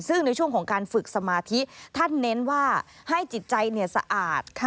ซึ่งในช่วงของการฝึกสมาธิท่านเน้นว่าให้จิตใจสะอาด